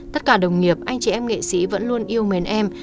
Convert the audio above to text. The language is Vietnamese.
tất cả đồng nghiệp anh chị em nghệ sĩ vẫn luôn yêu mến em